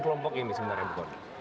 kelompok ini sebenarnya bu kondi